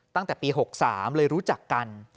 ตั้งแต่ปี๖๓เลยรู้จักกัน